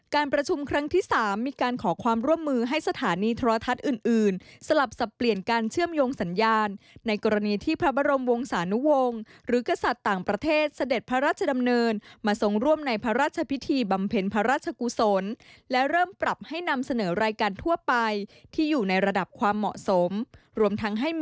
การประชุมครั้งที่๓มีการขอความร่วมมือให้สถานีโทรทัศน์อื่นสลับสับเปลี่ยนการเชื่อมโยงสัญญาณในกรณีที่พระบรมวงศานุวงศ์หรือกษัตริย์ต่างประเทศเสด็จพระราชดำเนินมาทรงร่วมในพระราชพิธีบำเพ็ญพระราชกุศลและเริ่มปรับให้นำเสนอรายการทั่วไปที่อยู่ในระดับความเหมาะสมรวมทั้งให้มี